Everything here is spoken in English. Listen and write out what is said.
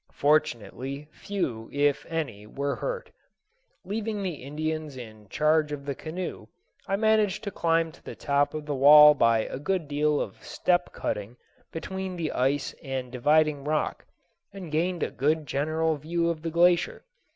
Fortunately, few, if any, were hurt. Leaving the Indians in charge of the canoe, I managed to climb to the top of the wall by a good deal of step cutting between the ice and dividing rock, and gained a good general view of the glacier.